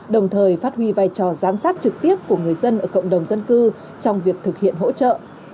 đồng thời phát huy vai trò giám sát trực tiếp của người dân ở cộng đồng dân cư trong việc thực hiện hỗ trợ